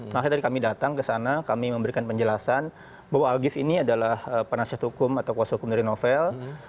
makanya tadi kami datang ke sana kami memberikan penjelasan bahwa algif ini adalah penasihat hukum atau kuasa hukum dari novel